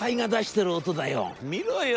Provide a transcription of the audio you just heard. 見ろよ。